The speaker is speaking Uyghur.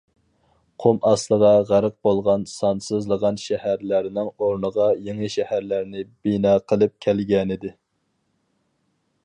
قۇم ئاستىغا غەرق بولغان سانسىزلىغان شەھەرلەرنىڭ ئورنىغا يېڭى شەھەرلەرنى بىنا قىلىپ كەلگەنىدى.